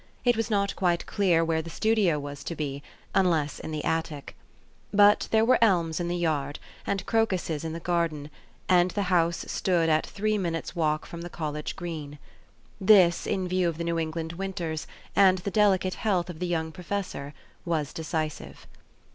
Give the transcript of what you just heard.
It was not quite clear where the studio was to be, unless in the attic. But there were elms in the yard, and crocuses in the garden, and the house stood at three minutes' walk from the college green. This, in view of the New England winters, and the delicate health of the young professor, was decisive.